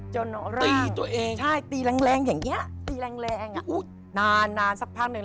จนร่างใช่ตีแรงอย่างเงี้ยตีแรงอ่ะนานสักพักหนึ่ง